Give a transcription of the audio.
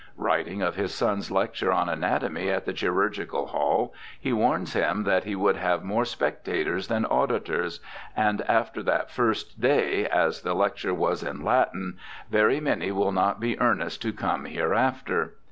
Writing of his son's lecture on anatomy at the Chirurgical Hall, he warns him that he would have more spectators than auditors, and after that first day, as the lecture was in Latin, 'very many will not be earnest to come here after.'